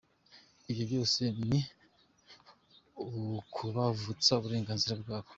Ibyo byose ni ukubavutsa uburenganzira bwabo."